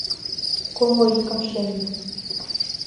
Кумло икымше ий…